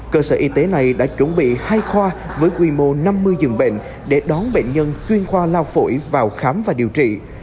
cơ sở y tế này đã chuẩn bị hai khoa với quy mô năm mươi giường bệnh để đón bệnh nhân chuyên khoa lao phổi vào khám và điều trị